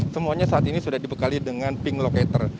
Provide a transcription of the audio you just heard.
semuanya saat ini sudah dibekali dengan ping locator